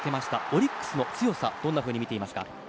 オリックスの強さどんなふうに見ていますか？